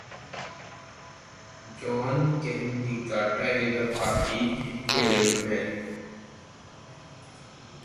John Canegata is the party chairman.